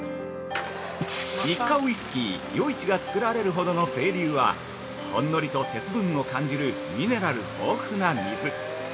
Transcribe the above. ニッカウヰスキー「余市」が造られるほどの清流はほんのりと鉄分を感じるミネラル豊富な水。